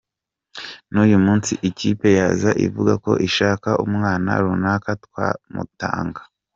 N’uyu munsi ikipe yaza ivuga ko ishaka umwana runaka twamutanga.